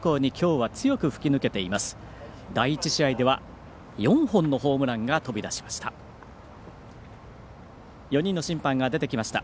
第１試合では４本のホームランが飛び出しました。